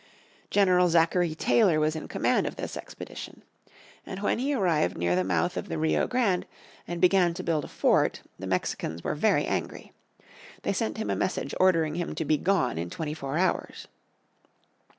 General Zachary Taylor was in command of this expedition. And when he arrived near the mouth of the Rio Grande and began to build a fort the Mexicans were very angry. They sent him a message ordering him to be gone in twenty four hours.